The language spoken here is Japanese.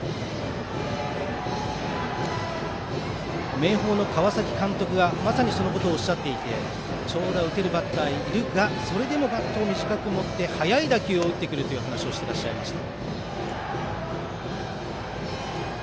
明豊の川崎監督が、まさにそのことをおっしゃっていて長打を打てるバッターがいるがそれでもバットを短く持って速い打球を打ってくると話していました。